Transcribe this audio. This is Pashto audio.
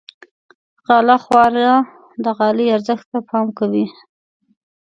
غاله خواره د غالۍ ارزښت ته پام کوي.